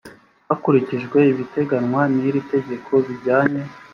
hakurikijwe ibiteganywa n iri tegeko bijyanye